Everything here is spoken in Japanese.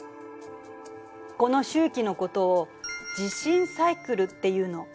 この周期のことを「地震サイクル」っていうの。